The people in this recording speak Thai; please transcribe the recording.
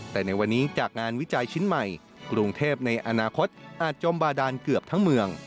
แต่ในวันนี้จากงานวิจัยชิ้นใหม่กรุงเทพในอนาคตอาจจมบาดานเกือบทั้งเมือง